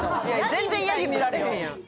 全然ヤギ見られへんやん。